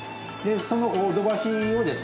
その土橋をですね